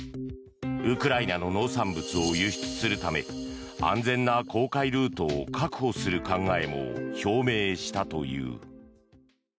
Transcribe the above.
ウクライナの農産物を輸出するため安全な航海ルートを確保する考えも表明したという。